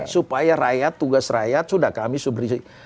supaya rakyat tugas rakyat sudah kami subrik